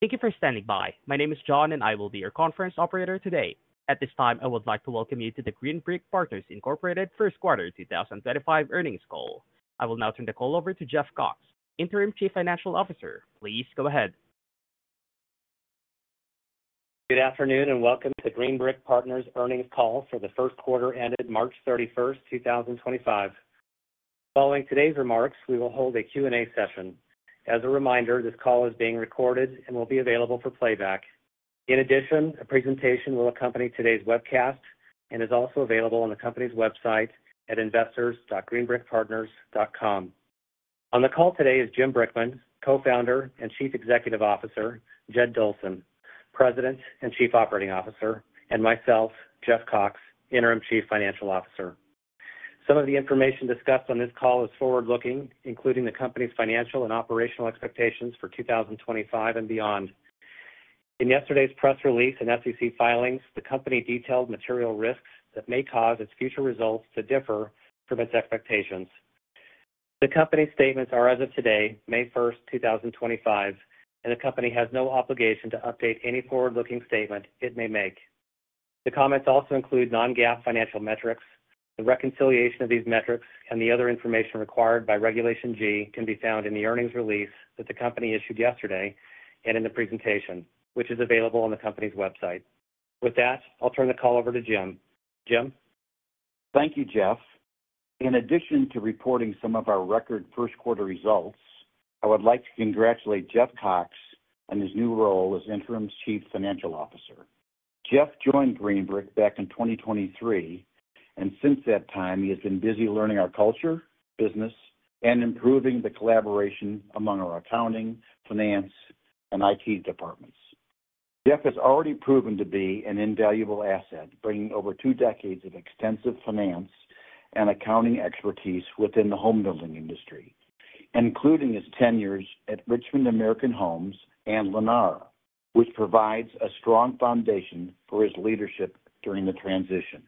Thank you for standing by. My name is John, and I will be your conference operator today. At this time, I would like to welcome you to the Green Brick Partners Q1 2025 earnings call. I will now turn the call over to Jeff Cox, Interim Chief Financial Officer. Please go ahead. Good afternoon and welcome to the Green Brick Partners Earnings Call For The Q1 Ended March 31, 2025. Following today's remarks, we will hold a Q&A session. As a reminder, this call is being recorded and will be available for playback. In addition, a presentation will accompany today's webcast and is also available on the company's website at investors.greenbrickpartners.com. On the call today is Jim Brickman, Co-founder and Chief Executive Officer, Jed Dolson, President and Chief Operating Officer, and myself, Jeff Cox, Interim Chief Financial Officer. Some of the information discussed on this call is forward-looking, including the company's financial and operational expectations for 2025 and beyond. In yesterday's press release and FCC filings, the company detailed material risks that may cause its future results to differ from its expectations. The company's statements are as of today, May 1, 2025, and the company has no obligation to update any forward-looking statement it may make. The comments also include non-GAAP financial metrics. The reconciliation of these metrics and the other information required by Regulation G can be found in the earnings release that the company issued yesterday and in the presentation, which is available on the company's website. With that, I'll turn the call over to Jim. Jim? Thank you, Jeff. In addition to reporting some of our record Q1 results, I would like to congratulate Jeff Cox on his new role as Interim Chief Financial Officer. Jeff joined Green Brick back in 2023, and since that time, he has been busy learning our culture, business, and improving the collaboration among our accounting, finance, and IT departments. Jeff has already proven to be an invaluable asset, bringing over two decades of extensive finance and accounting expertise within the home building industry, including his tenures at Richmond American Homes and Lennar, which provides a strong foundation for his leadership during the transition.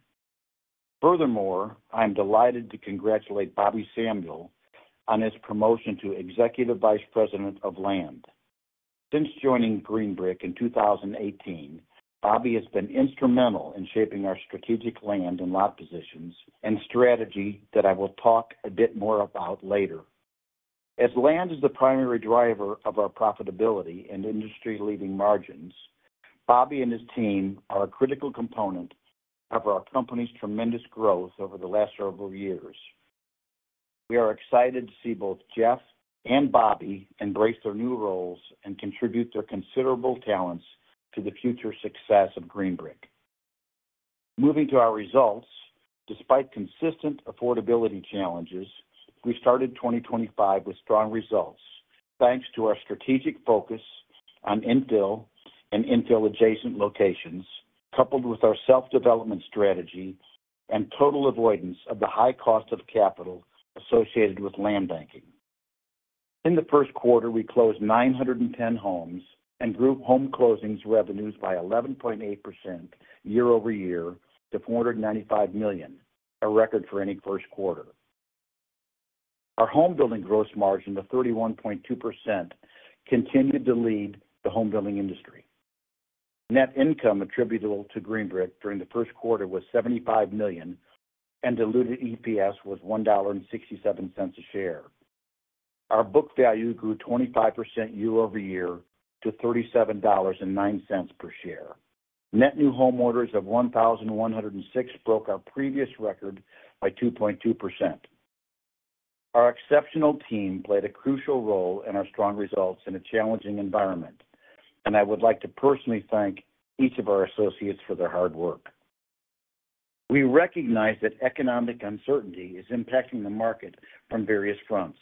Furthermore, I'm delighted to congratulate Bobby Samuel on his promotion to Executive Vice President of Land. Since joining Green Brick in 2018, Bobby has been instrumental in shaping our strategic land and lot positions and strategy that I will talk a bit more about later. As land is the primary driver of our profitability and industry-leading margins, Bobby and his team are a critical component of our company's tremendous growth over the last several years. We are excited to see both Jeff and Bobby embrace their new roles and contribute their considerable talents to the future success of Green Brick. Moving to our results, despite consistent affordability challenges, we started 2025 with strong results thanks to our strategic focus on infill and infill-adjacent locations, coupled with our self-development strategy and total avoidance of the high cost of capital associated with land banking. In the Q1, we closed 910 homes and grew home closings revenues by 11.8% year over year to $495 million, a record for any Q1. Our home building gross margin of 31.2% continued to lead the home building industry. Net income attributable to Green Brick during the Q1 was $75 million, and diluted EPS was $1.67 a share. Our book value grew 25% year over year to $37.09 per share. Net new home orders of 1,106 broke our previous record by 2.2%. Our exceptional team played a crucial role in our strong results in a challenging environment, and I would like to personally thank each of our associates for their hard work. We recognize that economic uncertainty is impacting the market from various fronts.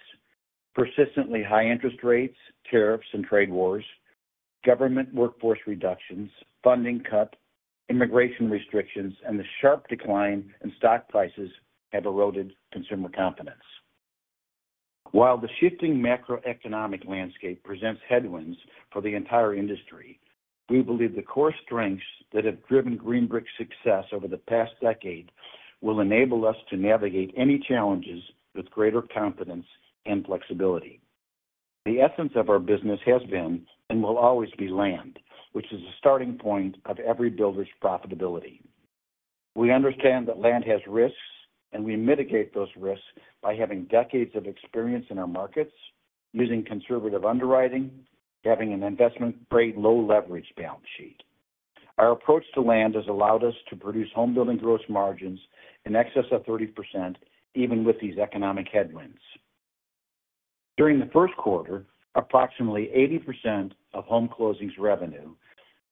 Persistently high interest rates, tariffs and trade wars, government workforce reductions, funding cuts, immigration restrictions, and the sharp decline in stock prices have eroded consumer confidence. While the shifting macroeconomic landscape presents headwinds for the entire industry, we believe the core strengths that have driven Green Brick's success over the past decade will enable us to navigate any challenges with greater confidence and flexibility. The essence of our business has been and will always be land, which is the starting point of every builder's profitability. We understand that land has risks, and we mitigate those risks by having decades of experience in our markets, using conservative underwriting, and having an investment-grade low leverage balance sheet. Our approach to land has allowed us to produce home building gross margins in excess of 30% even with these economic headwinds. During the Q1, approximately 80% of home closings revenue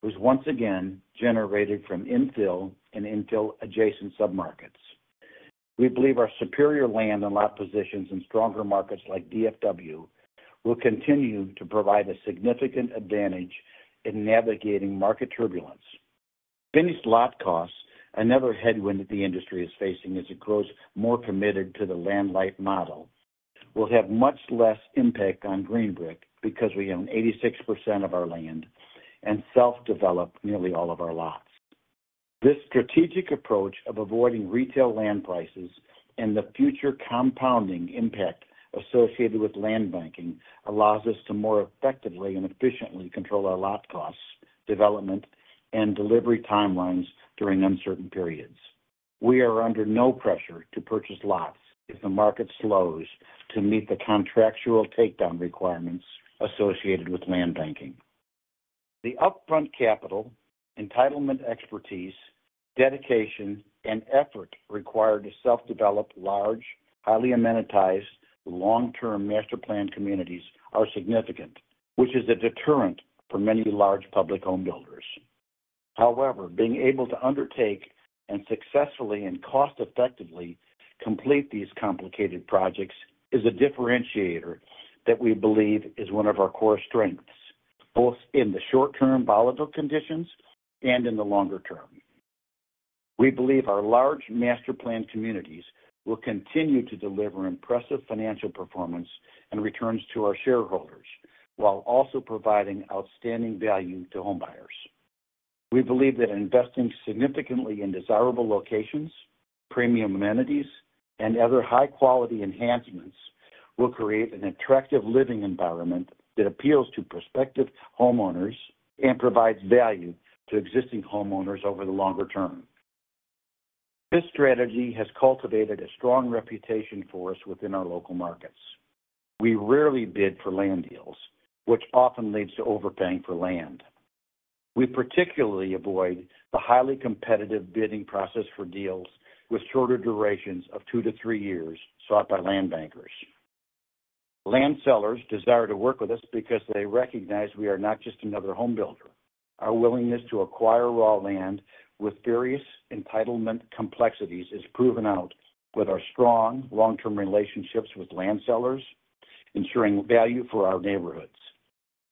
was once again generated from infill and infill-adjacent submarkets. We believe our superior land and lot positions in stronger markets like DFW will continue to provide a significant advantage in navigating market turbulence. Finished lot costs, another headwind that the industry is facing as it grows more committed to the land-life model, will have much less impact on Green Brick because we own 86% of our land and self-develop nearly all of our lots. This strategic approach of avoiding retail land prices and the future compounding impact associated with land banking allows us to more effectively and efficiently control our lot costs, development, and delivery timelines during uncertain periods. We are under no pressure to purchase lots if the market slows to meet the contractual takedown requirements associated with land banking. The upfront capital, entitlement expertise, dedication, and effort required to self-develop large, highly amenitized, long-term master plan communities are significant, which is a deterrent for many large public home builders. However, being able to undertake and successfully and cost-effectively complete these complicated projects is a differentiator that we believe is one of our core strengths, both in the short-term volatile conditions and in the longer term. We believe our large master plan communities will continue to deliver impressive financial performance and returns to our shareholders while also providing outstanding value to home buyers. We believe that investing significantly in desirable locations, premium amenities, and other high-quality enhancements will create an attractive living environment that appeals to prospective homeowners and provides value to existing homeowners over the longer term. This strategy has cultivated a strong reputation for us within our local markets. We rarely bid for land deals, which often leads to overpaying for land. We particularly avoid the highly competitive bidding process for deals with shorter durations of two to three years sought by land bankers. Land sellers desire to work with us because they recognize we are not just another home builder. Our willingness to acquire raw land with various entitlement complexities is proven out with our strong long-term relationships with land sellers, ensuring value for our neighborhoods.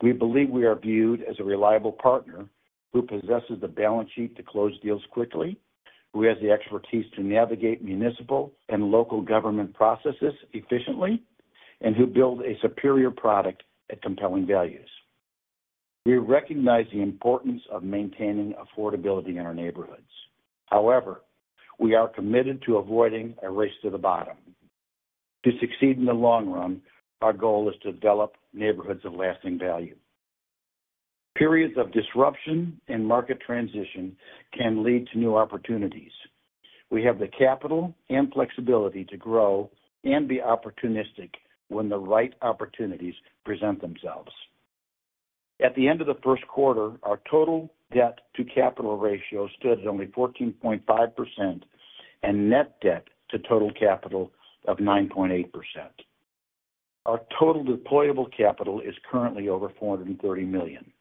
We believe we are viewed as a reliable partner who possesses the balance sheet to close deals quickly, who has the expertise to navigate municipal and local government processes efficiently, and who builds a superior product at compelling values. We recognize the importance of maintaining affordability in our neighborhoods. However, we are committed to avoiding a race to the bottom. To succeed in the long run, our goal is to develop neighborhoods of lasting value. Periods of disruption and market transition can lead to new opportunities. We have the capital and flexibility to grow and be opportunistic when the right opportunities present themselves. At the end of the Q1, our total debt-to-capital ratio stood at only 14.5% and net debt-to-total capital of 9.8%. Our total deployable capital is currently over $430 million.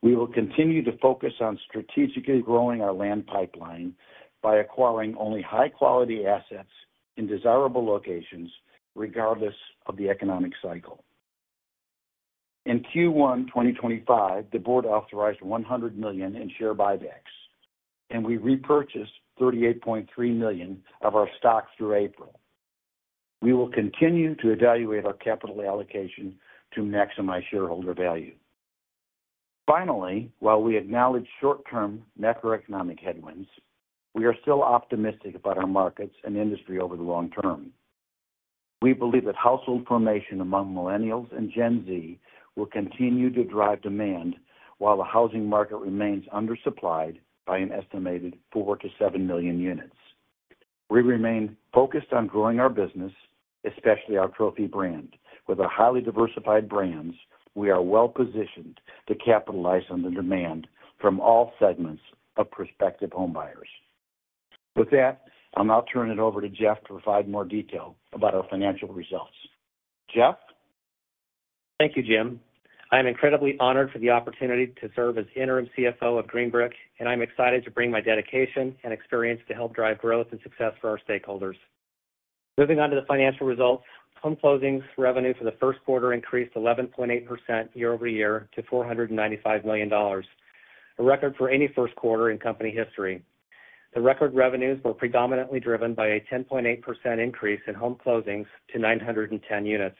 We will continue to focus on strategically growing our land pipeline by acquiring only high-quality assets in desirable locations regardless of the economic cycle. In Q1 2025, the board authorized $100 million in share buybacks, and we repurchased $38.3 million of our stock through April. We will continue to evaluate our capital allocation to maximize shareholder value. Finally, while we acknowledge short-term macroeconomic headwinds, we are still optimistic about our markets and industry over the long term. We believe that household formation among Millennials and Gen Z will continue to drive demand while the housing market remains undersupplied by an estimated four to seven million units. We remain focused on growing our business, especially our Trophy brand. With our highly diversified brands, we are well-positioned to capitalize on the demand from all segments of prospective home buyers. With that, I'll now turn it over to Jeff for five more details about our financial results. Jeff? Thank you, Jim. I am incredibly honored for the opportunity to serve as Interim CFO of Green Brick, and I'm excited to bring my dedication and experience to help drive growth and success for our stakeholders. Moving on to the financial results, home closings revenue for the Q1 increased 11.8% year over year to $495 million, a record for any Q1 in company history. The record revenues were predominantly driven by a 10.8% increase in home closings to 910 units.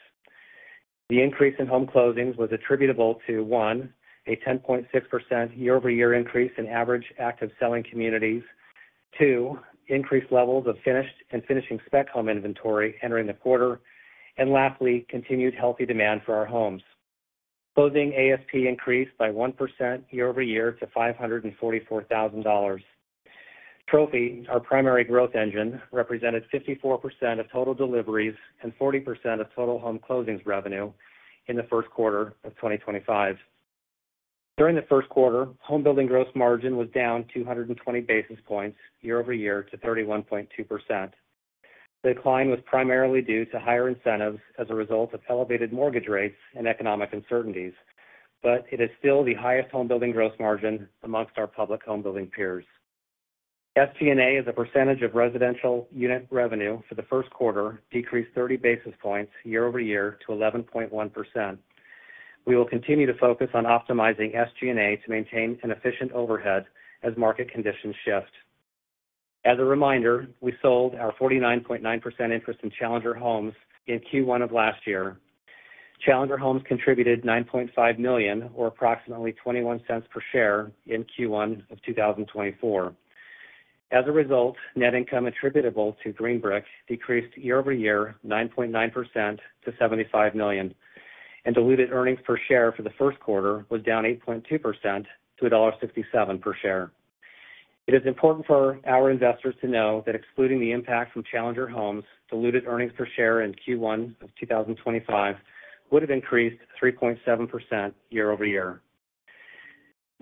The increase in home closings was attributable to, one, a 10.6% year-over-year increase in average active selling communities; two, increased levels of finished and finishing spec home inventory entering the quarter; and lastly, continued healthy demand for our homes. Closing ASP increased by 1% year-over-year to $544,000. Trophy, our primary growth engine, represented 54% of total deliveries and 40% of total home closings revenue in the Q1 of 2025. During the Q1, home building gross margin was down 220 basis points year-over-year to 31.2%. The decline was primarily due to higher incentives as a result of elevated mortgage rates and economic uncertainties, but it is still the highest home building gross margin amongst our public home building peers. SG&A as a percentage of residential unit revenue for the Q1 decreased 30 basis points year-over-year to 11.1%. We will continue to focus on optimizing SG&A to maintain an efficient overhead as market conditions shift. As a reminder, we sold our 49.9% interest in Challenger Homes in Q1 of last year. Challenger Homes contributed $9.5 million, or approximately $0.21 per share, in Q1 of 2024. As a result, net income attributable to Green Brick decreased year-over-year 9.9% to $75 million, and diluted earnings per share for the Q1 was down 8.2% to $1.67 per share. It is important for our investors to know that excluding the impact from Challenger Homes, diluted earnings per share in Q1 of 2025 would have increased 3.7% year-over-year.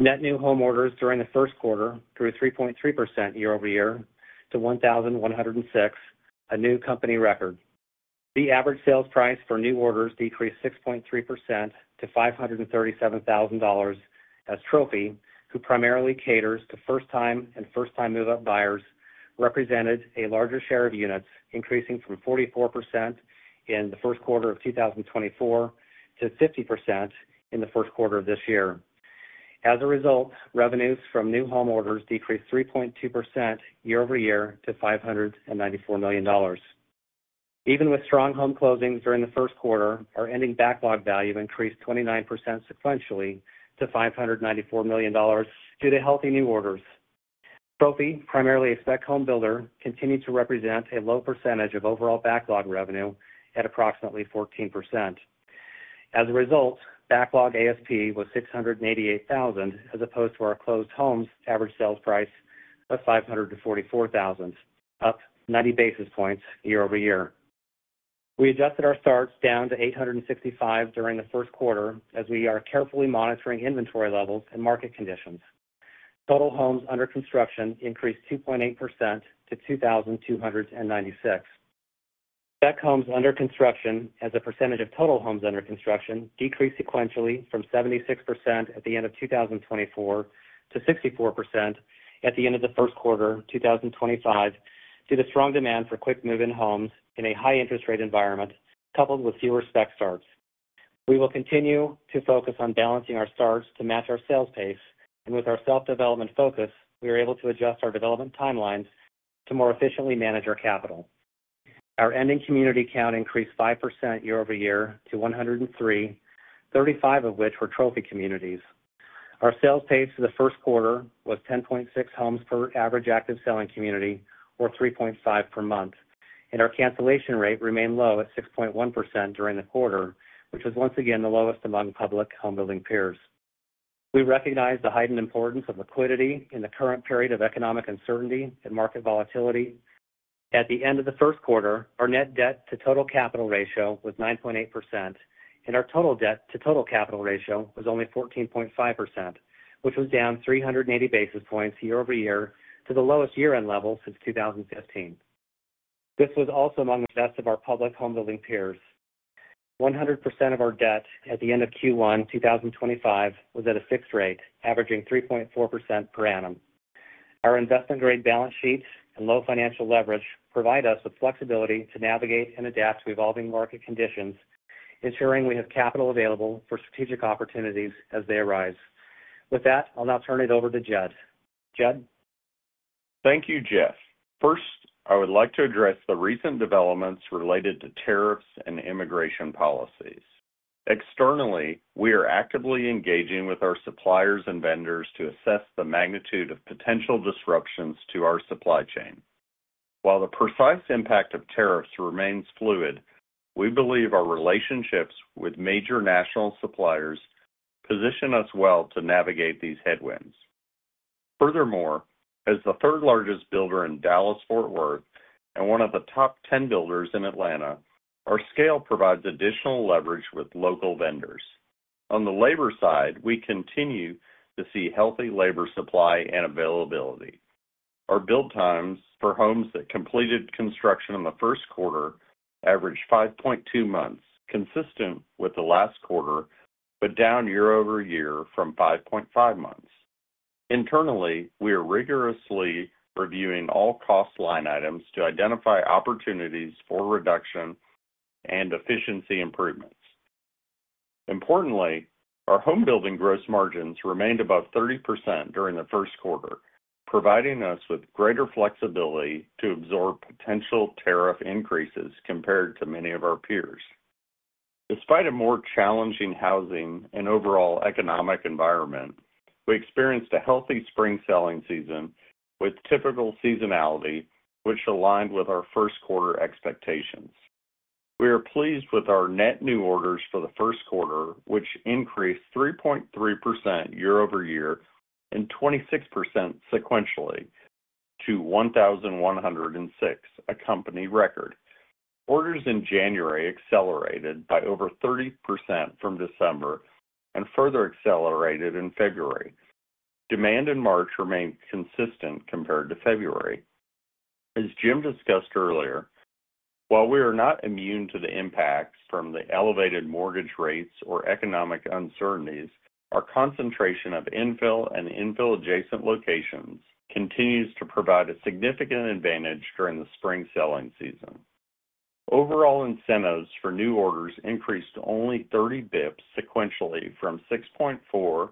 Net new home orders during the Q1 grew 3.3% year-over-year to 1,106, a new company record. The average sales price for new orders decreased 6.3% to $537,000 as Trophy, who primarily caters to first-time and first-time move-up buyers, represented a larger share of units, increasing from 44% in the Q1 of 2024 to 50% in the Q1 of this year. As a result, revenues from new home orders decreased 3.2% year-over-year to $594 million. Even with strong home closings during the Q1, our ending backlog value increased 29% sequentially to $594 million due to healthy new orders. Trophy, primarily a spec home builder, continued to represent a low percentage of overall backlog revenue at approximately 14%. As a result, backlog ASP was $688,000 as opposed to our closed homes' average sales price of $544,000, up 90 basis points year-over-year. We adjusted our start down to 865 during the Q1 as we are carefully monitoring inventory levels and market conditions. Total homes under construction increased 2.8% to 2,296. Spec homes under construction, as a percentage of total homes under construction, decreased sequentially from 76% at the end of 2024 to 64% at the end of the Q1 of 2025 due to strong demand for quick-moving homes in a high-interest rate environment coupled with fewer spec starts. We will continue to focus on balancing our starts to match our sales pace, and with our self-development focus, we are able to adjust our development timelines to more efficiently manage our capital. Our ending community count increased 5% year-over-year to 103, 35 of which were Trophy communities. Our sales pace for the Q1 was 10.6 homes per average active selling community, or 3.5 per month, and our cancellation rate remained low at 6.1% during the quarter, which was once again the lowest among public home building peers. We recognize the heightened importance of liquidity in the current period of economic uncertainty and market volatility. At the end of the Q1, our net debt-to-total capital ratio was 9.8%, and our total debt-to-total capital ratio was only 14.5%, which was down 380 basis points year-over-year to the lowest year-end level since 2015. This was also among the best of our public home building peers. 100% of our debt at the end of Q1 2025 was at a fixed rate, averaging 3.4% per annum. Our investment-grade balance sheets and low financial leverage provide us with flexibility to navigate and adapt to evolving market conditions, ensuring we have capital available for strategic opportunities as they arise. With that, I'll now turn it over to Jed. Jed. Thank you, Jeff. First, I would like to address the recent developments related to tariffs and immigration policies. Externally, we are actively engaging with our suppliers and vendors to assess the magnitude of potential disruptions to our supply chain. While the precise impact of tariffs remains fluid, we believe our relationships with major national suppliers position us well to navigate these headwinds. Furthermore, as the third-largest builder in Dallas-Fort Worth and one of the top 10 builders in Atlanta, our scale provides additional leverage with local vendors. On the labor side, we continue to see healthy labor supply and availability. Our build times for homes that completed construction in the Q1 averaged 5.2 months, consistent with the last quarter, but down year-over-year from 5.5 months. Internally, we are rigorously reviewing all cost line items to identify opportunities for reduction and efficiency improvements. Importantly, our home building gross margins remained above 30% during the Q1, providing us with greater flexibility to absorb potential tariff increases compared to many of our peers. Despite a more challenging housing and overall economic environment, we experienced a healthy spring selling season with typical seasonality, which aligned with our Q1 expectations. We are pleased with our net new orders for the Q1, which increased 3.3% year-over-year and 26% sequentially to 1,106, a company record. Orders in January accelerated by over 30% from December and further accelerated in February. Demand in March remained consistent compared to February. As Jim discussed earlier, while we are not immune to the impacts from the elevated mortgage rates or economic uncertainties, our concentration of infill and infill-adjacent locations continues to provide a significant advantage during the spring selling season. Overall incentives for new orders increased only 30 basis points sequentially from 6.4%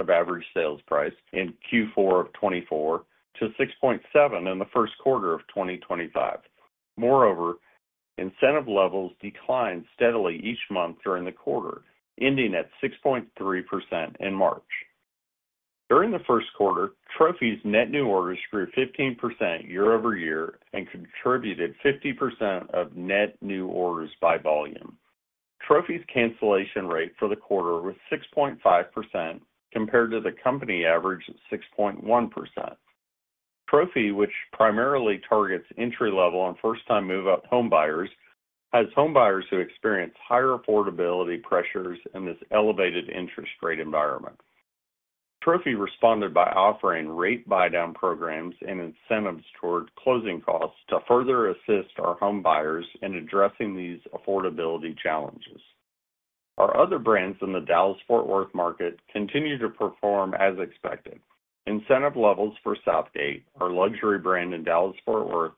of average sales price in Q4 of 2024 to 6.7% in the Q1 of 2025. Moreover, incentive levels declined steadily each month during the quarter, ending at 6.3% in March. During the Q1, Trophy's net new orders grew 15% year-over-year and contributed 50% of net new orders by volume. Trophy's cancellation rate for the quarter was 6.5% compared to the company average of 6.1%. Trophy, which primarily targets entry-level and first-time move-up home buyers, has home buyers who experience higher affordability pressures in this elevated interest rate environment. Trophy responded by offering rate buy-down programs and incentives toward closing costs to further assist our home buyers in addressing these affordability challenges. Our other brands in the Dallas-Fort Worth market continue to perform as expected. Incentive levels for Southgate, our luxury brand in Dallas-Fort Worth,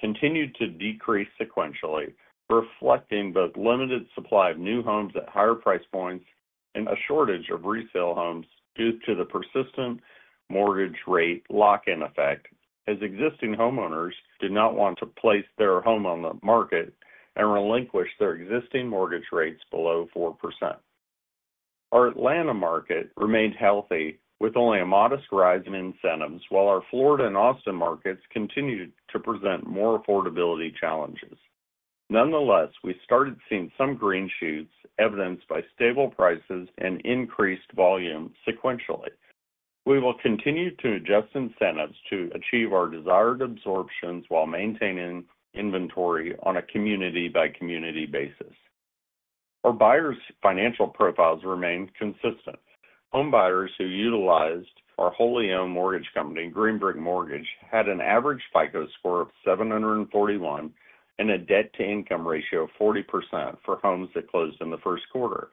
continued to decrease sequentially, reflecting both limited supply of new homes at higher price points and a shortage of resale homes due to the persistent mortgage rate lock-in effect, as existing homeowners did not want to place their home on the market and relinquish their existing mortgage rates below 4%. Our Atlanta market remained healthy, with only a modest rise in incentives, while our Florida and Austin markets continued to present more affordability challenges. Nonetheless, we started seeing some green shoots, evidenced by stable prices and increased volume sequentially. We will continue to adjust incentives to achieve our desired absorptions while maintaining inventory on a community-by-community basis. Our buyers' financial profiles remained consistent. Home buyers who utilized our wholly-owned mortgage company, Green Brick Mortgage, had an average FICO score of 741 and a debt-to-income ratio of 40% for homes that closed in the Q1.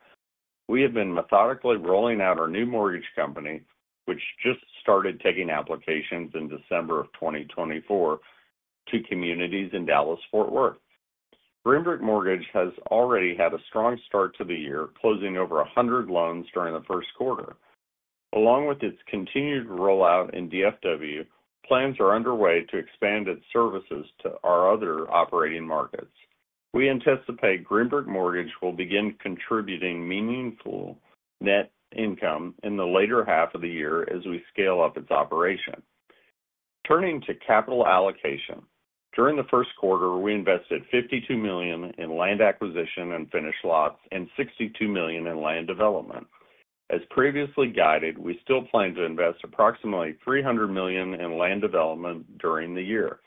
We have been methodically rolling out our new mortgage company, which just started taking applications in December of 2024, to communities in Dallas, Fort Worth. Green Brick Mortgage has already had a strong start to the year, closing over 100 loans during the Q1. Along with its continued rollout in DFW, plans are underway to expand its services to our other operating markets. We anticipate Green Brick Mortgage will begin contributing meaningful net income in the later half of the year as we scale up its operation. Turning to capital allocation, during the Q1, we invested $52 million in land acquisition and finished lots, and $62 million in land development. As previously guided, we still plan to invest approximately $300 million in land development during the year.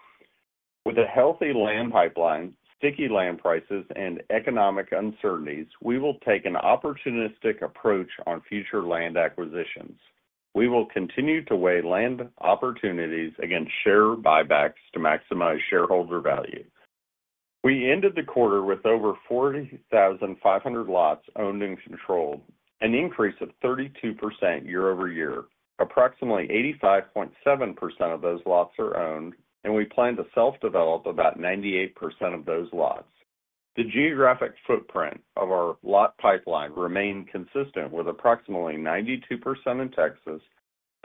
With a healthy land pipeline, sticky land prices, and economic uncertainties, we will take an opportunistic approach on future land acquisitions. We will continue to weigh land opportunities against share buybacks to maximize shareholder value. We ended the quarter with over 40,500 lots owned and controlled, an increase of 32% year-over-year. Approximately 85.7% of those lots are owned, and we plan to self-develop about 98% of those lots. The geographic footprint of our lot pipeline remained consistent, with approximately 92% in Texas,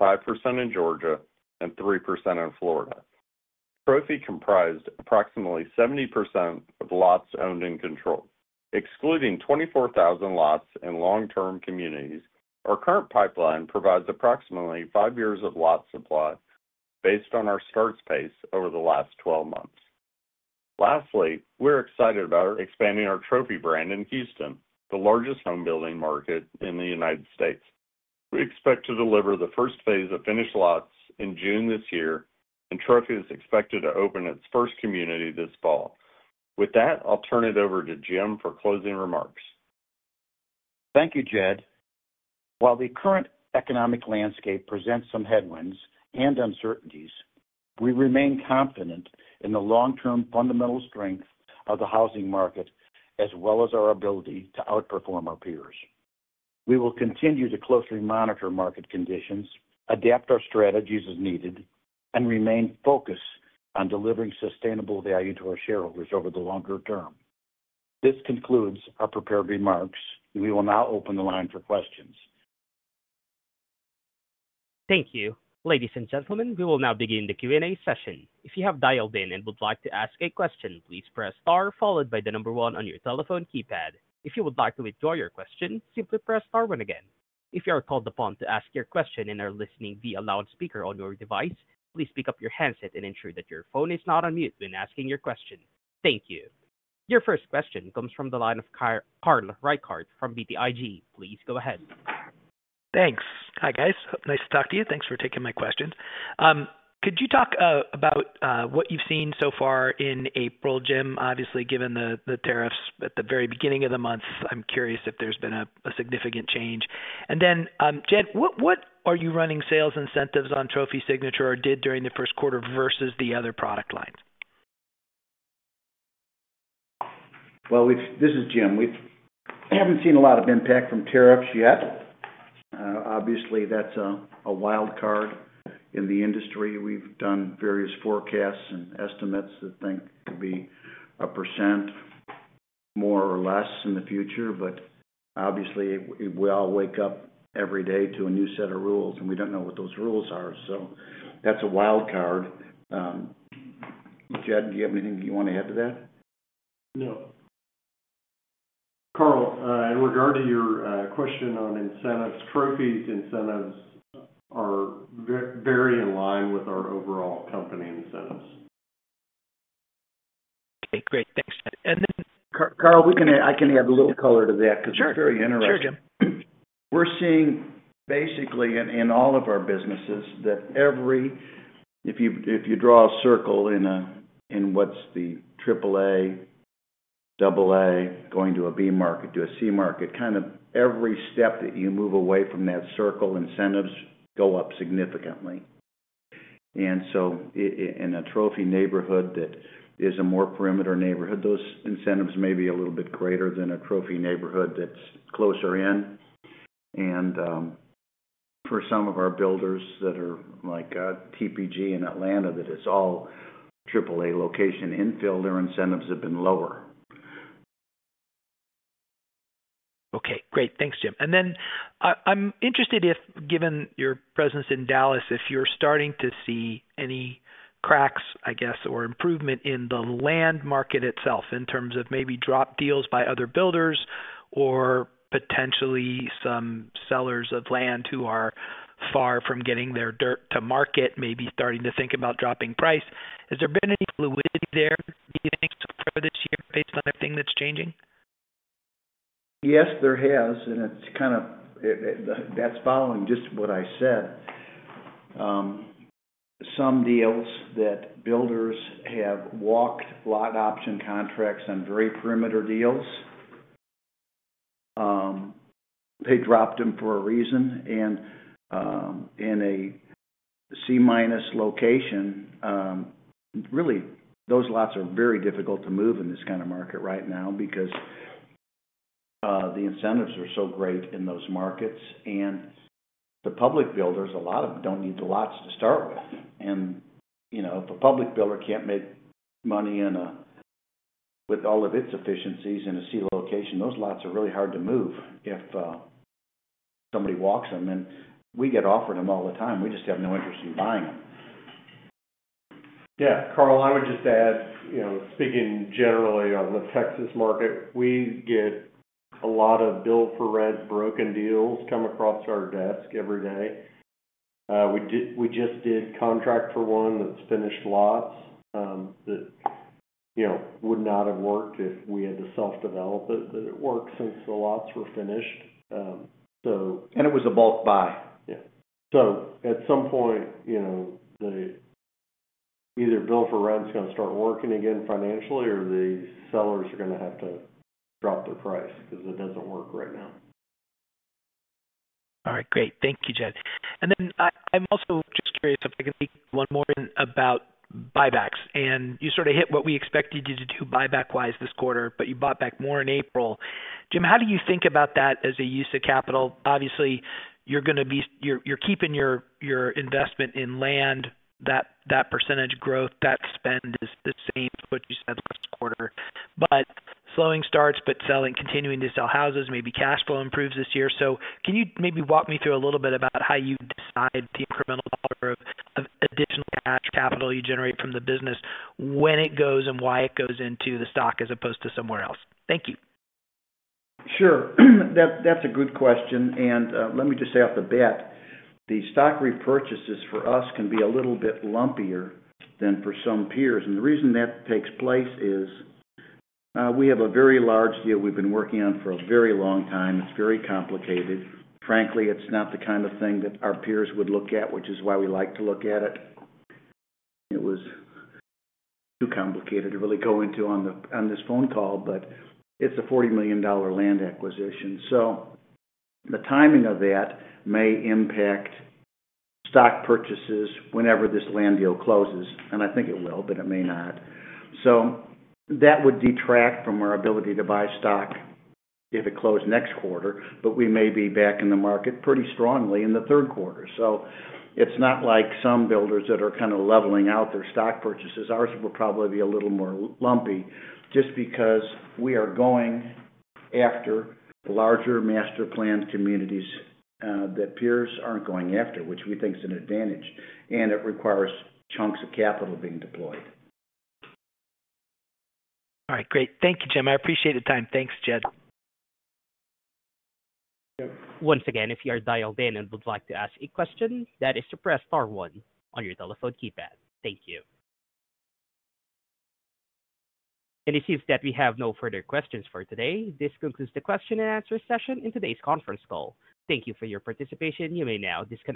5% in Georgia, and 3% in Florida. Trophy comprised approximately 70% of lots owned and controlled. Excluding 24,000 lots in long-term communities, our current pipeline provides approximately five years of lot supply based on our starts pace over the last 12 months. Lastly, we're excited about expanding our Trophy brand in Houston, the largest home building market in the United States. We expect to deliver the first phase of finished lots in June this year, and Trophy is expected to open its first community this fall. With that, I'll turn it over to Jim for closing remarks. Thank you, Jed. While the current economic landscape presents some headwinds and uncertainties, we remain confident in the long-term fundamental strength of the housing market, as well as our ability to outperform our peers. We will continue to closely monitor market conditions, adapt our strategies as needed, and remain focused on delivering sustainable value to our shareholders over the longer term. This concludes our prepared remarks, and we will now open the line for questions. Thank you. Ladies and gentlemen, we will now begin the Q&A session. If you have dialed in and would like to ask a question, please press star followed by the number one on your telephone keypad. If you would like to withdraw your question, simply press star one again. If you are called upon to ask your question and are listening via loudspeaker on your device, please pick up your handset and ensure that your phone is not on mute when asking your question. Thank you. Your first question comes from the line of Carl Rykard from BTIG. Please go ahead. Thanks. Hi, guys. Nice to talk to you. Thanks for taking my questions. Could you talk about what you've seen so far in April, Jim? Obviously, given the tariffs at the very beginning of the month, I'm curious if there's been a significant change. Jed, what are you running sales incentives on Trophy Signature or did during the Q1 versus the other product lines? This is Jim. We have not seen a lot of impact from tariffs yet. Obviously, that is a wild card in the industry. We have done various forecasts and estimates that think it could be a percent more or less in the future, but obviously, we all wake up every day to a new set of rules, and we do not know what those rules are. That is a wild card. Jed, do you have anything you want to add to that? No. Carl, in regard to your question on incentives, Trophy's incentives are very in line with our overall company incentives. Okay. Great. Thanks. Then. Carl, I can add a little color to that because it's very interesting. We're seeing basically in all of our businesses that every—if you draw a circle in what's the AAA, AA, going to a B market, to a C market, kind of every step that you move away from that circle, incentives go up significantly. In a Trophy neighborhood that is a more perimeter neighborhood, those incentives may be a little bit greater than a Trophy neighborhood that's closer in. For some of our builders that are like TPG in Atlanta, that it's all AAA location, infill, their incentives have been lower. Okay. Great. Thanks, Jim. I am interested if, given your presence in Dallas, if you're starting to see any cracks, I guess, or improvement in the land market itself in terms of maybe drop deals by other builders or potentially some sellers of land who are far from getting their dirt to market, maybe starting to think about dropping price. Has there been any fluidity there in the beginning for this year based on everything that's changing? Yes, there has. It is kind of—that is following just what I said. Some deals that builders have walked lot option contracts on, very perimeter deals, they dropped them for a reason. In a C-minus location, really, those lots are very difficult to move in this kind of market right now because the incentives are so great in those markets. The public builders, a lot of them do not need the lots to start with. If a public builder cannot make money with all of its efficiencies in a C location, those lots are really hard to move if somebody walks them. We get offered them all the time. We just have no interest in buying them. Yeah. Carl, I would just add, speaking generally on the Texas market, we get a lot of build-for-rent broken deals come across our desk every day. We just did contract for one that's finished lots that would not have worked if we had to self-develop it, that it worked since the lots were finished. It was a bulk buy. At some point, either build-for-rent's going to start working again financially, or the sellers are going to have to drop their price because it doesn't work right now. All right. Great. Thank you, Jed. I am also just curious if I can speak one more about buybacks. You sort of hit what we expected you to do buyback-wise this quarter, but you bought back more in April. Jim, how do you think about that as a use of capital? Obviously, you are going to be—you are keeping your investment in land, that percentage growth, that spend is the same as what you said last quarter. Slowing starts, but continuing to sell houses, maybe cash flow improves this year. Can you maybe walk me through a little bit about how you decide the incremental dollar of additional cash capital you generate from the business, when it goes and why it goes into the stock as opposed to somewhere else? Thank you. Sure. That's a good question. Let me just say off the bat, the stock repurchases for us can be a little bit lumpier than for some peers. The reason that takes place is we have a very large deal we've been working on for a very long time. It's very complicated. Frankly, it's not the kind of thing that our peers would look at, which is why we like to look at it. It was too complicated to really go into on this phone call, but it's a $40 million land acquisition. The timing of that may impact stock purchases whenever this land deal closes. I think it will, but it may not. That would detract from our ability to buy stock if it closed next quarter, but we may be back in the market pretty strongly in the Q1. It is not like some builders that are kind of leveling out their stock purchases. Ours will probably be a little more lumpy just because we are going after larger master plan communities that peers are not going after, which we think is an advantage. It requires chunks of capital being deployed. All right. Great. Thank you, Jim. I appreciate the time. Thanks, Jed. Once again, if you are dialed in and would like to ask a question, that is to press star one on your telephone keypad. Thank you. It seems that we have no further questions for today. This concludes the question and answer session in today's conference call. Thank you for your participation. You may now disconnect.